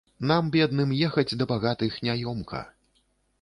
Нам, бедным, ехаць да багатых няёмка.